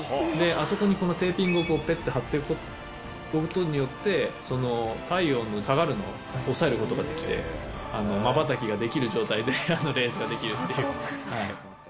あそこにこのテーピングをぺって貼っておくことによって、体温が下がるのを抑えることができて、まばたきができる状態でレースができるっていう。